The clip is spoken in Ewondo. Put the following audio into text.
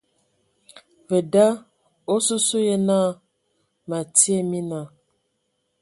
Ve da, osusua ye naa me atie mina.